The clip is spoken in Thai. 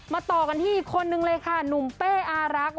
ต่อกันที่อีกคนนึงเลยค่ะหนุ่มเป้อารัก